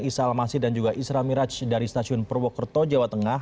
isa al masih dan juga isra miraj dari stasiun purwokerto jawa tengah